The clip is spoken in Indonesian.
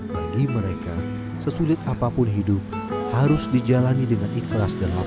bagi mereka sesulit apapun hidup harus dijalani dengan ikhlas dan layak